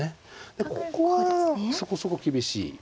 でここはそこそこ厳しい。